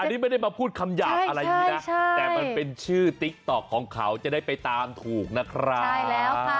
อันนี้ไม่ได้มาพูดคำหยาบอะไรอย่างนี้นะแต่มันเป็นชื่อติ๊กต๊อกของเขาจะได้ไปตามถูกนะครับ